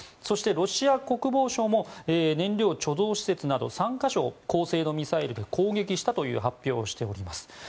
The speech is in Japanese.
そして、ロシア国防省も燃料貯蔵施設など３か所を高精度ミサイルで攻撃したという発表をしています。